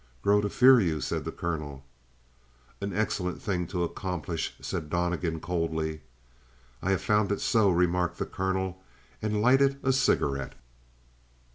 "Grow to fear you," said the colonel. "An excellent thing to accomplish," said Donnegan coldly. "I have found it so," remarked the colonel, and lighted a cigarette.